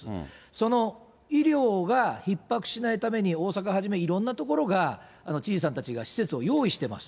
その医療がひっ迫しないために、大阪はじめいろんな所が知事さんたちが施設を用意しています。